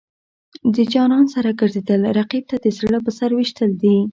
د جانان سره ګرځېدل، رقیب ته د زړه په سر ویشتل دي.